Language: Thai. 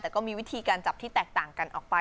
แต่ก็มีวิธีการจับที่แตกต่างกันออกไป